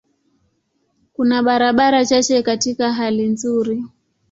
Kuna barabara chache katika hali nzuri.